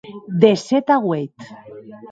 De sèt a ueit.